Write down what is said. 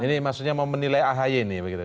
ini maksudnya mau menilai ahy ini begitu